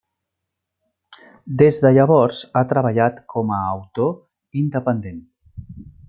Des de llavors ha treballat com a autor independent.